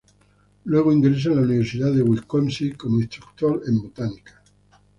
Luego ingresa a la Universidad de Wisconsin como instructor en botánica.